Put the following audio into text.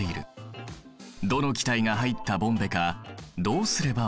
どの気体が入ったボンベかどうすれば分かるかな？